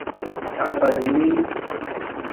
চার পাচ দিনেই?